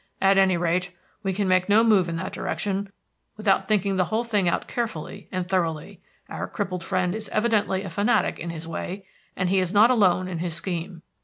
"At any rate, we can make no move in that direction without thinking the whole thing out carefully and thoroughly. Our crippled friend is evidently a fanatic in his way, and he is not alone in his scheme.